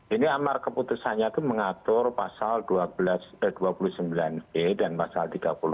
ini amar keputusannya itu mengatur pasal dua puluh sembilan e dan pasal tiga puluh